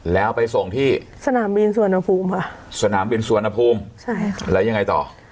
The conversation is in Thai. แล้วไปส่งที่สนามบินสุวรรณภูมิค่ะสนามบินสุวรรณภูมิใช่ค่ะแล้วยังไงต่อ